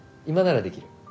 今ならできる。